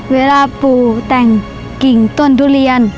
เวลาปู่แต่งกิ่งต้นทุเรียน